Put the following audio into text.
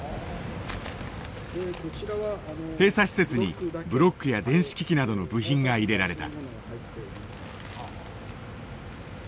閉鎖施設にブロックや電子機器などの部品が入れられた。